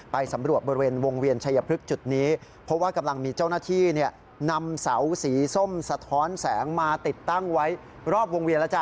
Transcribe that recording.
สำรวจบริเวณวงเวียนชัยพฤกษ์จุดนี้เพราะว่ากำลังมีเจ้าหน้าที่นำเสาสีส้มสะท้อนแสงมาติดตั้งไว้รอบวงเวียนแล้วจ้